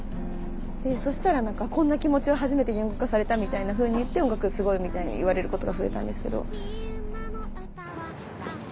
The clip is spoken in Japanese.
そしたらこんな気持ちを初めて言語化されたみたいなふうに言って音楽すごいみたいに言われることが増えたんですけど。